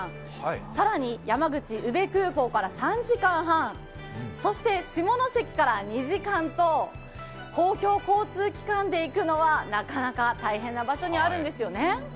更に山口・宇部空港から３時間半、そして下関から２時間と、公共交通機関で行くのはなかなか大変な場所にあるんですよね。